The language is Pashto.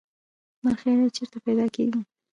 مرخیړي چیرته پیدا کیږي؟